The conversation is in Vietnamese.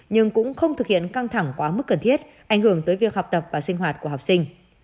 nhưng cũng không thực hiện căng thẳng quá mức cần thiết ảnh hưởng tới việc học tập và sinh hoạt của học sinh